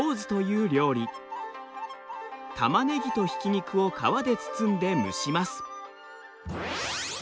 タマネギとひき肉を皮で包んで蒸します。